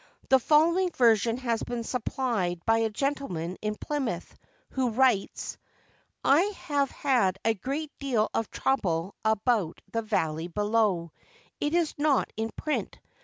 The following version has been supplied by a gentleman in Plymouth, who writes:— I have had a great deal of trouble about The Valley Below. It is not in print.